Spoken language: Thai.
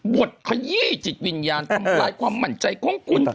ขยี้จิตวิญญาณทำร้ายความมั่นใจของคุณ